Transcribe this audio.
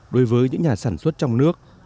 đối với những nhà sản xuất trong nước